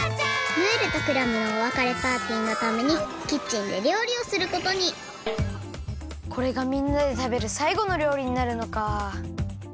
ムールとクラムのおわかれパーティーのためにキッチンでりょうりをすることにこれがみんなでたべるさいごのりょうりになるのか。